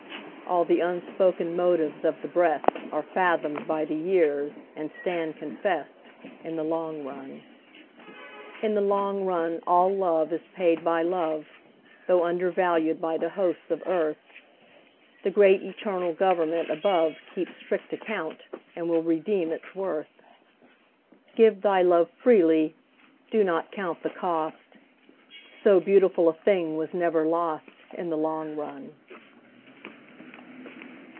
All the unspoken motives of the breast Are fathomed by the years and stand confess'd In the long run. In the long run all love is paid by love, Though undervalued by the hosts of earth; The great eternal Government above Keeps strict account and will redeem its worth. Give thy love freely; do not count the cost; So beautiful a thing was never lost In the long run.